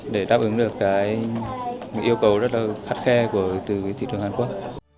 để đáp ứng được những yêu cầu rất là khắt khe từ thị trường hàn quốc